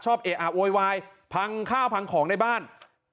เออะโวยวายพังข้าวพังของในบ้าน